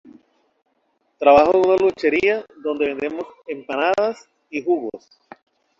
Para repeler los ataques de Polonia-Lituania, Borís Godunov fortificó la ciudad.